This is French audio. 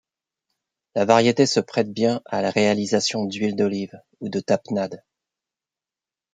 La variété se prête bien à la réalisation d'huile d'olive ou de tapenade.